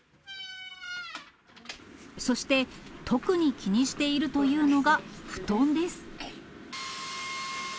そして、特に気にしているというのが、布団です。